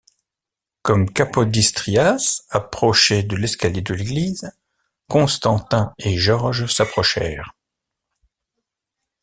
Comme Kapodistrias approchait de l'escalier de l'église, Constantin et Georges s'approchèrent.